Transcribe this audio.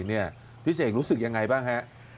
พี่เสกรู้สึกอย่างไรบ้างครับ